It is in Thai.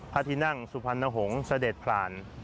ที่นั่งสุพรรณหงษ์เสด็จผ่าน